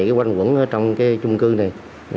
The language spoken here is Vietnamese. quanh quẩn trong cái chung cư này